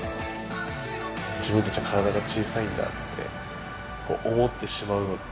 自分たちは体が小さいんだと思ってしまうのって